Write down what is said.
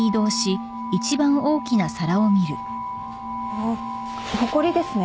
あほこりですね。